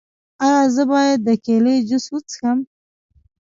ایا زه باید د کیلي جوس وڅښم؟